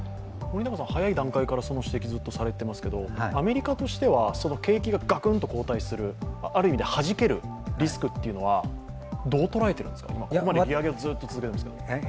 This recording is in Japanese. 早い段階から、その指摘をずっとされていますけどアメリカとしては景気がガクッと後退する、ある意味ではじけるリスクは、どう捉えているんですか、ここまでずっと利上げを続けていますけど。